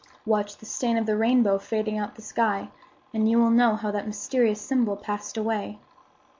Watch the stain of the rainbow fading out the sky, and you will know how that mysterious symbol passed away.